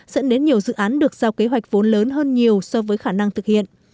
dẫn đến nhiều dự án được giao kế hoạch vốn lớn hơn nhiều so với khả năng thực hiện